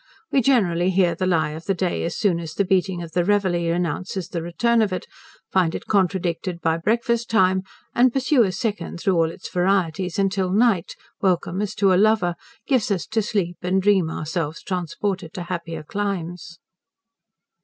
We generally hear the lie of the day as soon as the beating of the Reveille announces the return of it; find it contradicted by breakfast time; and pursue a second through all its varieties, until night, welcome as to a lover, gives us to sleep and dream ourselves transported to happier climes.